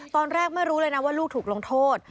ตอนแรกไม่รู้เลยนะว่าลูกถูกลงโทษ